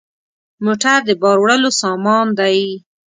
موټر د بار وړلو سامان دی.